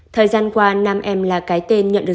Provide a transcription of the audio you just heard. thời gian qua nam em là cái tên nhận được